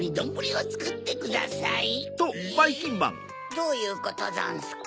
どういうことざんすか？